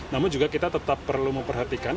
namun juga kita tetap perlu memperhatikan